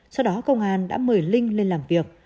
sau đó công an đã mời linh lên làm việc